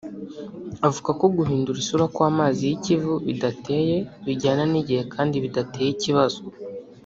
avuga ko guhindura isura kw’amazi y’ikivu bidateye bijyana n’igihe kandi bidateye ikibazo